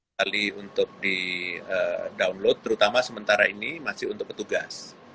jadi kita bisa di download terutama sementara ini masih untuk petugas